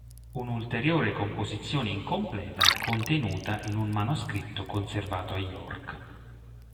Un'ulteriore composizione incompleta è contenuta in un manoscritto conservato a York.